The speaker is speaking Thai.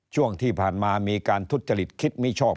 ช่วงที่ผ่านมามีการทุจริตคิดมิชอบ